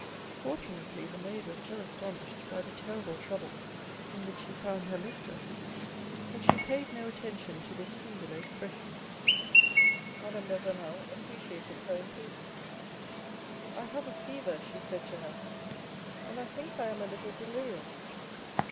Fortunately, the maid was so astonished by the terrible trouble in which she found her mistress that she paid no attention to this singular expression. Madame de Renal appreciated her imprudence. '' I have the fever," she said to her, " and I think I am a little delirious."